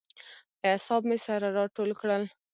اعصاب مې سره راټول کړل.